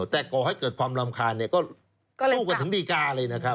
แต่ก่อให้เกิดความรำคาญก็สู้กันถึงดีกาเลยนะครับ